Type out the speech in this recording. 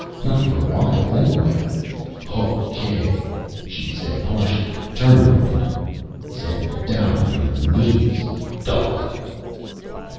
"Not for a while anyway." "Hokay!" she said harshly, turning on him. "Zen down on your knees, dog!"